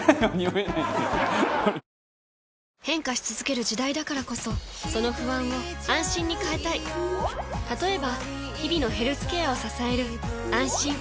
変化し続ける時代だからこそその不安を「あんしん」に変えたい例えば日々のヘルスケアを支える「あんしん」